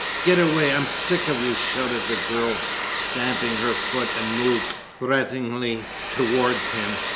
'Get away. I'm sick of you!' shouted the girl, stamping her foot, and moved threateningly towards him.